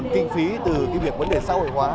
kinh phí từ cái việc vấn đề xã hội hóa